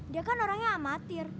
dia kan orangnya amatir